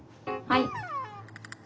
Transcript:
はい。